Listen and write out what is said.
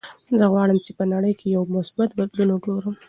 زه غواړم چې په نړۍ کې یو مثبت بدلون وګورم.